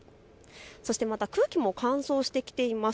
そして空気も乾燥してきています。